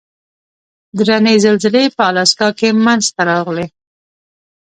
درنې زلزلې په الاسکا کې منځته راغلې.